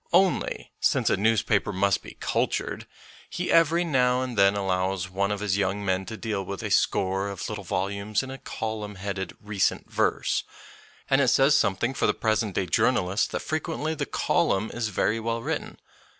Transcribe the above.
Only, since a newspaper must be cul tured, he every now and then allows one of his young men to deal with a score of little volumes in a column headed " Recent Verse," and it says something for the present day journalist that frequently the column is very well written.